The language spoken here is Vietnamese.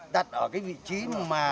đặt ở cái vị trí mà